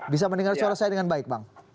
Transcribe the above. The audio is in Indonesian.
bisa mendengar suara saya dengan baik bang